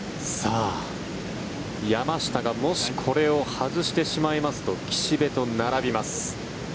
山下がもし、これを外してしまいますと岸部と並びます。